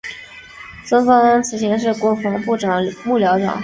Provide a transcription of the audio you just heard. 孙芳安此前是国防部长幕僚长。